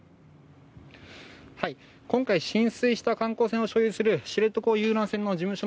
今回浸水した観光船を所有する知床遊覧船の事務所